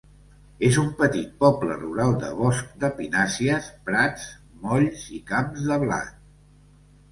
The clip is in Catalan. És un petit poble rural de boscs de pinàcies, prats molls i camps de blat.